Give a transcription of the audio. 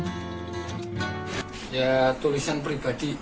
ya tulisan pribadi